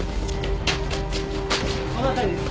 この辺りです。